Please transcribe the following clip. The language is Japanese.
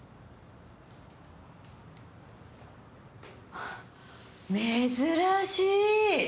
あ珍しい！